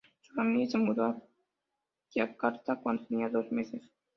Su familia se mudó a Yakarta cuando tenía dos meses.